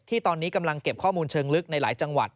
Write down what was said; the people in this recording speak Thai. ตอนนี้กำลังเก็บข้อมูลเชิงลึกในหลายจังหวัด